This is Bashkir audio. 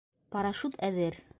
Парашют әҙер!